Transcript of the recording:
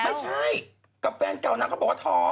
ไม่ใช่กับแฟนเก่านางก็บอกว่าท้อง